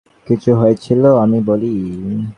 নিসার আলি বললেন, ব্যাপারটা কী হয়েছিল আমি বলি।